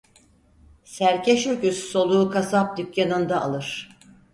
Serkeş öküz soluğu kasap dükkanında alır.